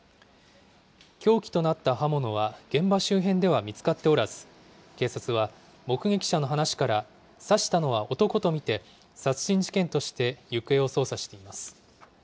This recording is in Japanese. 凶器となった刃物は現場周辺では見つかっておらず、警察は、目撃者の話から刺したのは男とみて、殺人事件として行方を捜査しています。